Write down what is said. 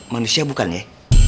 manusia bukan ya